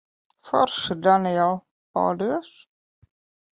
Forši, Daniel. Paldies.